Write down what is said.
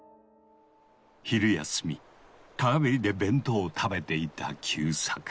昼休み川べりで弁当を食べていた久作。